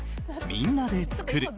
みんなで作る。